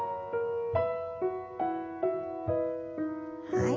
はい。